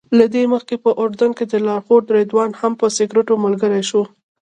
له دې مخکې په اردن کې لارښود رضوان هم په سګرټو ملګری شو.